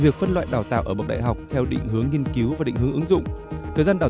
việc phân loại đào tạo ở bậc đại học theo định hướng nghiên cứu và định hướng ứng dụng thời gian đào